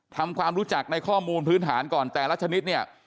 ทำความรู้จักในข้อมูลพื้นฐานก่อนแต่ละชนิดเนี่ย